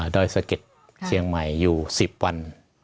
อยสะเก็ดเชียงใหม่อยู่๑๐วัน